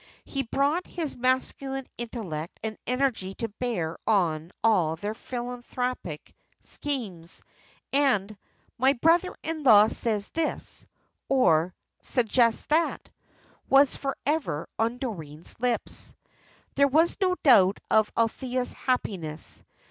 He brought his masculine intellect and energy to bear on all their philanthropic schemes, and "my brother in law says this" or "suggests that" was for ever on Doreen's lips. There was no doubt of Althea's happiness.